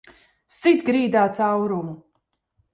Sit grīdā caurumu!